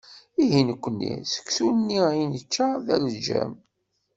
Ihi! Nekkni, seksu-nni i d-nečča d aleǧǧam.